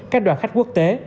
các đoàn khách quốc tế